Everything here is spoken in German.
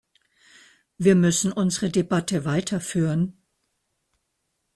Wir müssen unsere Debatte weiterführen.